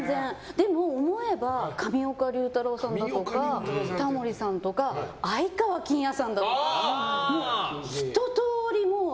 でも、思えば上岡龍太郎さんとかタモリさんとか愛川欽也さんだとかもう、ひと通り。